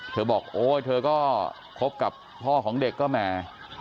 บอกโอ๊ยเธอก็คบกับพ่อของเด็กก็แหม